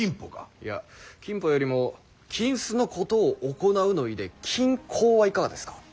いや「金舗」よりも「金子のことを行う」の意で「金行」はいかがですか。